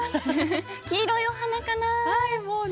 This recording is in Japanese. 「黄色いお花かな」。